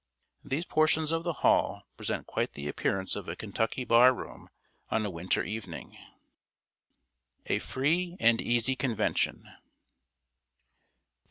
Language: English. These portions of the hall present quite the appearance of a Kentucky bar room on a winter evening. [Sidenote: A FREE AND EASY CONVENTION.